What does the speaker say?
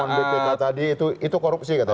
dalam bpk tadi itu korupsi kata